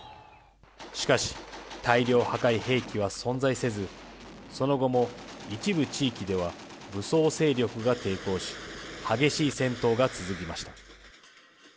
しかし、大量破壊兵器は存在せず、その後も一部地域では、武装勢力が抵抗し、激しい戦闘が続きました。